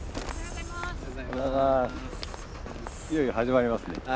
いよいよ始まりますね。